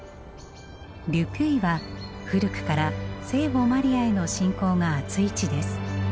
ル・ピュイは古くから聖母マリアへの信仰があつい地です。